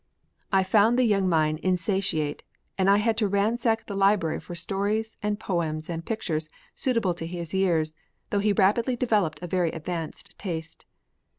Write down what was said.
I found the young mind insatiate and I had to ransack the library for stories and poems and pictures suitable to his years, though he rapidly developed a very advanced taste.